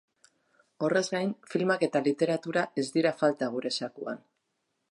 Horrez gain, filmak eta literatura ez dira falta bere zakuan.